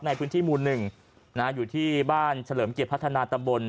ในพื้นที่มุมนึงนะอยู่ที่บ้านเฉลิมเกียรติพัฒนาตะบน